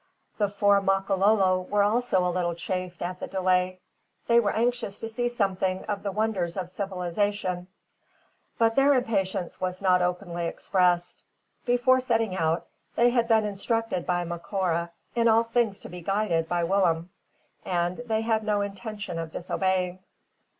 The four Makololo were also a little chafed at the delay. They were anxious to see something of the wonders of civilisation, but their impatience was not openly expressed. Before setting out, they had been instructed by Macora in all things to be guided by Willem; and they had no intention of disobeying.